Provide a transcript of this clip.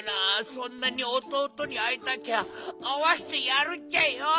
そんなにおとうとにあいたきゃあわしてやるっちゃよ！